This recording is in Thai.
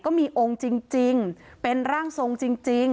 ก็มีองค์จริงจริงเป็นร่างทรงจริงจริง